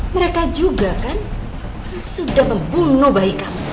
mereka juga kan yang sudah membunuh bayi kamu